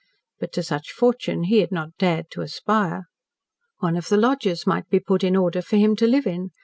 But to such fortune he had not dared to aspire. One of the lodges might be put in order for him to live in.